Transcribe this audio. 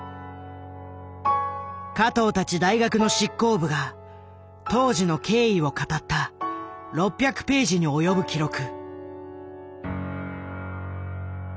加藤たち大学の執行部が当時の経緯を語った６００ページに及ぶ記録。